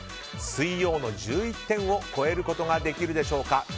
水曜の１１点を超えることができるでしょうか。